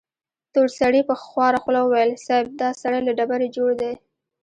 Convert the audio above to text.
تور سړي په خواره خوله وويل: صيب! دا سړی له ډبرې جوړ دی.